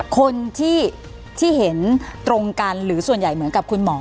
คนที่เห็นตรงกันหรือส่วนใหญ่เหมือนกับคุณหมอ